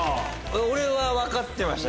俺は分かってました